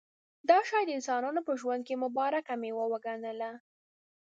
دا شی د انسانانو په ژوند کې مبارکه مېوه وګڼله.